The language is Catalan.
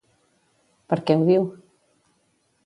Per què ho diu?